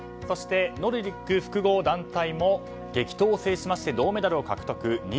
そして、ノルディック複合団体も激闘を制しまして銅メダルを獲得。